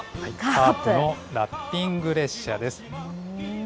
カープのラッピング列車です。